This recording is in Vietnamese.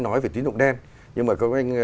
nói về tín dụng đen nhưng mà các anh